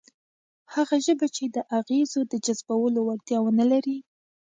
هغه ژبه چې د اغېزو د جذبولو وړتیا ونه لري،